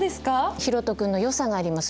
ひろと君のよさがあります。